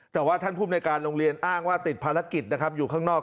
แต่ว่าท่านภูมิในการโรงเรียนอ้างว่าติดภารกิจนะครับอยู่ข้างนอก